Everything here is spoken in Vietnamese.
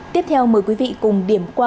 tiếp theo mời quý vị cùng điểm qua